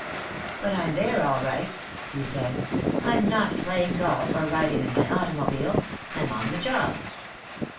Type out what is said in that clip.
"But I'm there, all right," he said. "I'm not playing golf or riding in my automobile. I'm on the job."